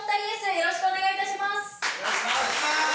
よろしくお願いします！